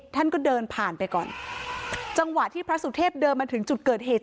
ท่านก็เดินผ่านไปก่อนจังหวะที่พระสุเทพเดินมาถึงจุดเกิดเหตุ